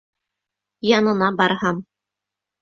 Янына барһам...